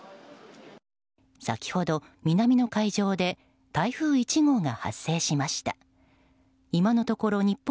先ほど、南の海上で台風１号が発生しました。